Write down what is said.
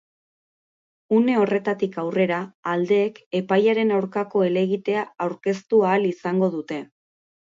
Une horretatik aurrera, aldeek epaiaren aurkako helegitea aurkeztu ahal izango dute.